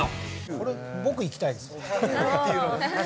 これ僕いきたいです。